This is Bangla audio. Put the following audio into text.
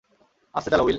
আস্তে চালাও, উইল।